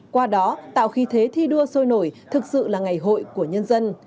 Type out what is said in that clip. qua đó tạo khí thế thi đua sôi nổi thực sự là ngày hội của nhân dân